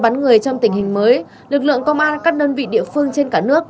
mua bán người trong tình hình mới lực lượng công an các nân vị địa phương trên cả nước